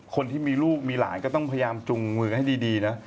คนที่มีลูกมีหลานก็ต้องพยายามจุงมือกันให้ดีนะ